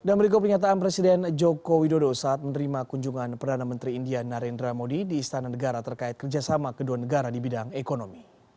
dan berikut pernyataan presiden joko widodo saat menerima kunjungan perdana menteri india narendra modi di istana negara terkait kerjasama kedua negara di bidang ekonomi